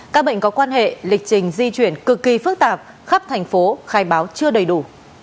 các bệnh có quan hệ lịch trình di chuyển cực kỳ phức tạp khắp thành phố khai báo chưa đầy đủ